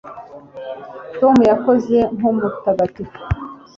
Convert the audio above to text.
tom yakoze nk'umutagatifu